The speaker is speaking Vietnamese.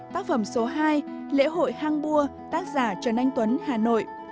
tác phẩm số hai lễ hội hang bua tác giả trần anh tuấn hà nội